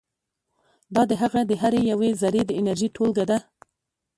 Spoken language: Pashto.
دا د هغه د هرې یوې ذرې د انرژي ټولګه ده.